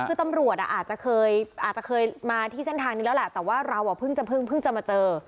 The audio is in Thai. คือตำรวจอ่ะอาจจะเคยอาจจะเคยมาที่เส้นทางนี้แล้วแหละแต่ว่าเราเพิ่งจะเพิ่งจะมาเจอ